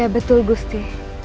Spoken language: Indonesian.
iya betul gusti